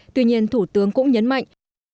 tuy nhiên thủ tướng cũng nhấn mạnh